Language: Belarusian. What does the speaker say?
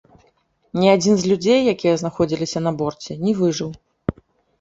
Ні адзін з людзей, якія знаходзіліся на борце, не выжыў.